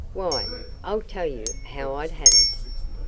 —Why, I'll tell you how I'd have it.